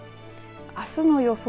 あすの予想